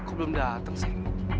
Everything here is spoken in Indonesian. kok belum dateng sih